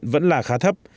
và khá thấp